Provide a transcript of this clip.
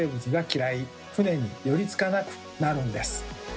船に寄りつかなくなるんです。